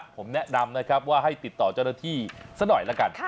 ผมแนะนำนะครับว่าให้ติดต่อเจ้าหน้าที่ซะหน่อยละกัน